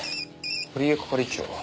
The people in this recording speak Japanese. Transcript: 堀江係長。